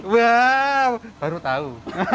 wow baru tahu